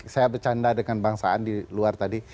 saya bercanda dengan bangsaan di luar tadi